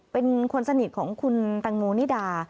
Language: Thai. เป็นคนสนิทของคุณแตงโมนิดา